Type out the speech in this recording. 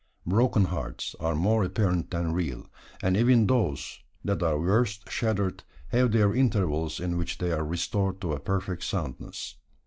Broken hearts are more apparent than real; and even those that are worst shattered have their intervals in which they are restored to a perfect soundness.